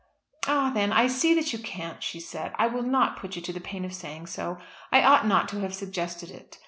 "Ah, then, I see you can't," she said. "I will not put you to the pain of saying so. I ought not to have suggested it.